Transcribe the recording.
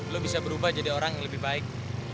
lo bisa berubah jadi orang yang lebih baik